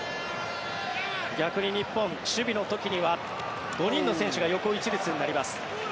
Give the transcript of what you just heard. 逆に日本、守備の時には５人の選手が横一列になります。